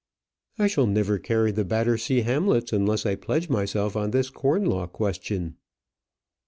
"I shall never carry the Battersea Hamlets unless I pledge myself on this corn law question."